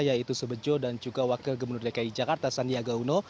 yaitu sebejo dan juga wakil gubernur dki jakarta sandiaga uno